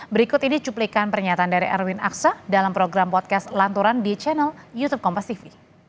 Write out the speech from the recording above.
berikut ini cuplikan pernyataan dari erwin aksa dalam program podcast lanturan di channel youtube kompas tv